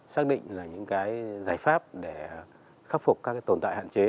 xác định là những cái giải pháp để khắc phục các tồn tại hạn chế